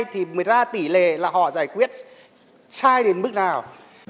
thì mới ra tỷ lệ là họ giải quyết sai đến mức nào